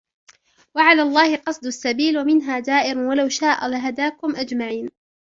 وعلى الله قصد السبيل ومنها جائر ولو شاء لهداكم أجمعين